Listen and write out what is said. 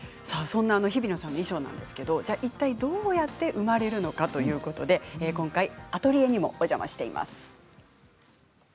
そんな、ひびのさんの衣装なんですけれど、いったいどうやって生まれるのかということで今回アトリエにもお邪魔しました。